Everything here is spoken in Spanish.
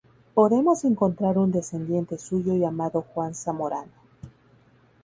Podemos encontrar un descendiente suyo llamado Juan Zamorano.